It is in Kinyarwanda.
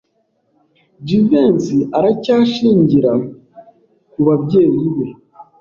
Jivency aracyashingira kubabyeyi be?